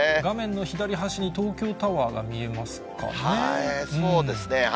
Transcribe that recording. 画面の左端に東京タワーが見そうですね。